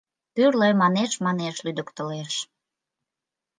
Тӱрлӧ манеш-манеш лӱдыктылеш.